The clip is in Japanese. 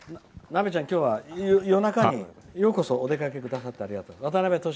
なべちゃんは今日は夜中にようこそお出かけくださってありがとう。